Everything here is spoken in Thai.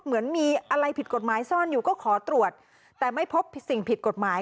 เหมือนมีอะไรผิดกฎหมายซ่อนอยู่ก็ขอตรวจแต่ไม่พบสิ่งผิดกฎหมาย